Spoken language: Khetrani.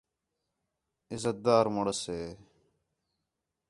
عِزت دار مُݨس ہِے